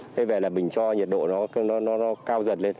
thế về là mình cho nhiệt độ nó cao dần lên